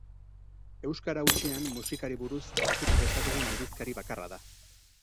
Euskara hutsean musikari buruz aurkitu dezakegun aldizkari bakarra da.